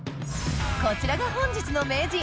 こちらが本日の名人。